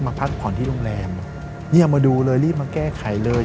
พักผ่อนที่โรงแรมเนี่ยมาดูเลยรีบมาแก้ไขเลย